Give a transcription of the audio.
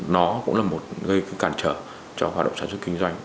nó cũng là một gây cản trở cho hoạt động sản xuất kinh doanh